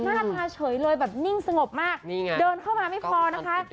หน้าตาเฉยเลยแบบนิ่งสงบมากนี่ไงเดินเข้ามาไม่พอนะคะ